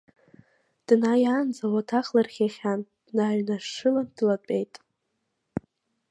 Днаиаанӡа луаҭах лырхиахьан, днаиҩнашылан длатәеит.